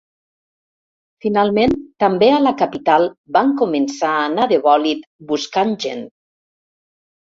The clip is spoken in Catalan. Finalment, també a la capital van començar a anar de bòlit buscant gent.